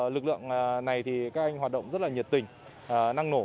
lực lượng này thì các anh hoạt động rất là nhiệt tình năng nổ